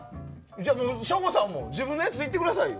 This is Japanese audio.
省吾さんも自分のやつやってくださいよ。